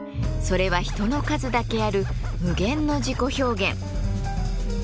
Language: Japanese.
それは人の数だけある無限の自己表現。